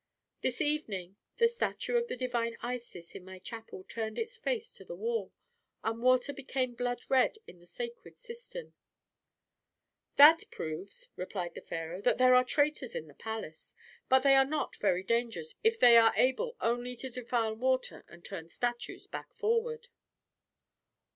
"This evening the statue of the divine Isis in my chapel turned its face to the wall, and water became blood red in the sacred cistern." "That proves," replied the pharaoh, "that there are traitors in the palace. But they are not very dangerous if they are able only to defile water and turn statues back forward."